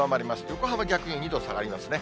横浜、逆に２度下がりますね。